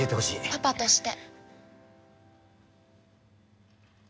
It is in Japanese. パパとして。